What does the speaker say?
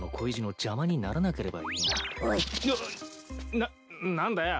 な何だよ。